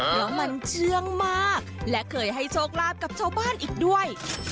เพราะมันเชื่องมากและเคยให้โชคลาภกับชาวบ้านอีกด้วย